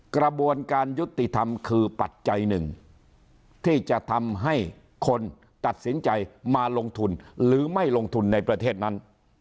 กระบวนการยุติธรรมคือปัจจัยหนึ่งที่จะทำให้คนตัดสินใจมาลงทุนหรือไม่ลงทุนในประเทศนั้น